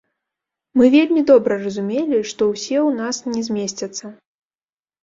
Мы вельмі добра разумелі, што ўсе ў нас не змесцяцца.